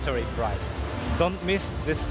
ที่ฝึกก่อนวันรถยนต์